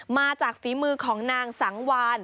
มาจากฝีมือของนางสังวาน